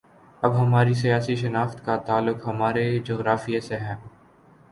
اب ہماری سیاسی شناخت کا تعلق ہمارے جغرافیے سے ہے۔